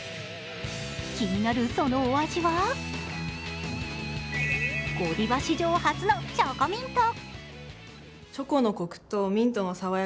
気になるそのお味はゴディバ史上初のチョコミント。